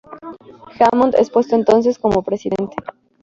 Hammond es puesto entonces como presidente.